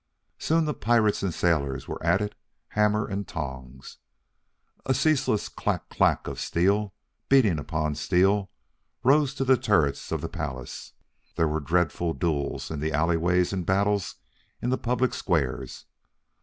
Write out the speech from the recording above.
Soon the pirates and the sailors were at it hammer and tongs; a ceaseless clack clack of steel beating upon steel rose to the turrets of the palace; there were dreadful duels in the alleyways and battles in the public squares.